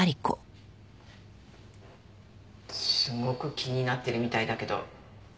すごく気になってるみたいだけど。